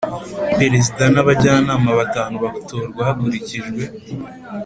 Perezida n abajyanama batanu batorwa hakurikijwe